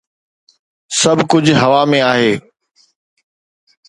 سڀ ڪجهه هوا ۾ آهي.